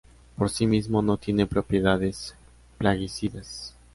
Por sí mismo no tiene propiedades plaguicidas.